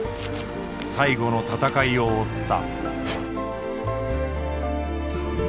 最後の闘いを追った。